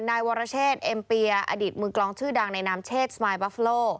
นายวรเชษเอ็มเปียอดีตมือกลองชื่อดังในนามเชษสมายบัฟโล